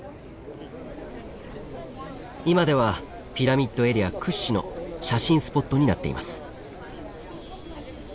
今ではピラミッドエリア屈指の写真スポットになっています。